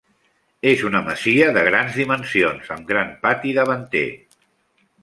És una masia de grans dimensions, amb gran pati davanter.